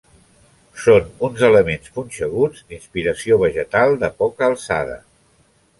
Són uns elements punxeguts d'inspiració vegetal de poca alçada.